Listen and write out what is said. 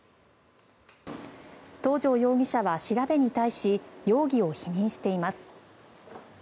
東條容疑者は調べに対し容疑を否認しています。